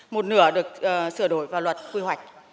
một nửa được sửa đổi vào luật quy hoạch